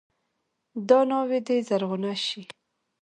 دا ناوې دې زرغونه شي.